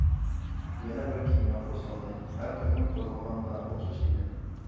يەنە بىر كېمە قوزغالدى، ھەر قېتىم قوزغالغاندا ئوخشاش ئىدى.